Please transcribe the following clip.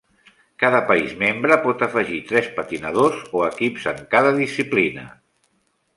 Cada país membre pot afegir tres patinadors o equips en cada disciplina.